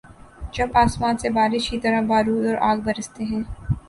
جب آسمان سے بارش کی طرح بارود اور آگ‘ برستے ہیں۔